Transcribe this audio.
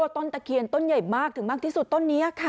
ตะเคียนต้นใหญ่มากถึงมากที่สุดต้นนี้ค่ะ